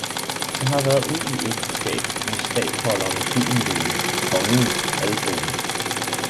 Jeg har været ud i ægteskab med statholderen Gyldenløve, kongens halvbroder.